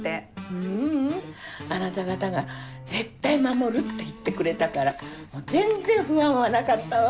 ううんあなた方が絶対守るって言ってくれたから全然不安はなかったわ。